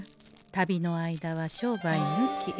旅の間は商売ぬき。